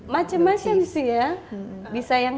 macem macem sih ya bisa yang